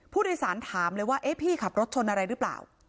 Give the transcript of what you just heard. ผู้โดยสารถามเลยว่าเอ๊ะพี่ขับรถชนอะไรหรือเปล่า